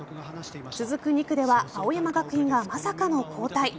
続く２区では青山学院がまさかの後退。